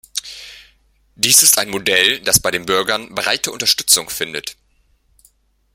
Dies ist ein Modell, das bei den Bürgern breite Unterstützung findet.